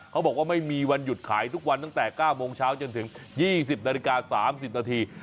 เขาบอกว่าไม่มีวันหยุดขายทุกวันตั้งแต่๙โมงเช้าจนถึง๒๐นาฬิกา๓๐นาที